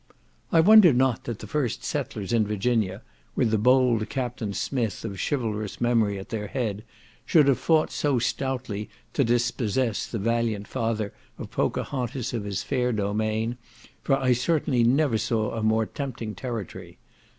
I wonder not that the first settlers in Virginia, with the bold Captain Smith of chivalrous memory at their head, should have fought so stoutly to dispossess the valiant father of Pocohantas of his fair domain, for I certainly never saw a more tempting territory.